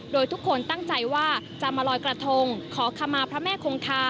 โดยทุกคนตั้งใจว่าจะมาลอยกระทงขอขมาพระแม่คงคา